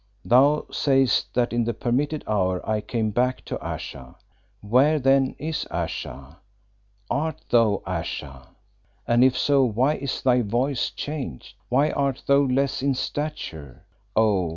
Thou sayest that in the permitted hour I came back to Ayesha. Where then is Ayesha? Art thou Ayesha? And if so why is thy voice changed? Why art thou less in stature? Oh!